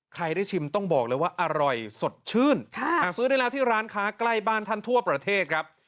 ใครได้ชิมต้องบอกเลยว่าอร่อยสดชื่นซื้อได้แล้วที่ร้านค้าใกล้บ้านท่านทั่วประเทศครับ